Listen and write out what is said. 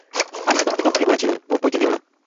আমি তো তোমাকে তখনই বলেছিলুম, ওর পইতে দিয়ো না।